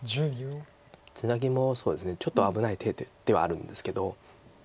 ツナギもちょっと危ない手ではあるんですけど。